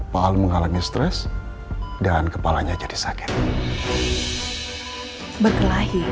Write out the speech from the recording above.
paal mengalami sakit kepala yang cukup menakutkan untuk menjaga kemampuan dia dan membuatnya lebih baik dari saat itu